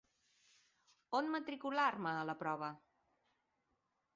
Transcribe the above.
On matricular-me a la prova?